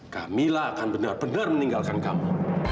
kamilah akan benar benar meninggalkan kamu